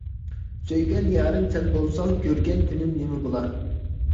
سۆيگەن يارىم سەن بولساڭ، كۆرگەن كۈنۈم نىمە بولار.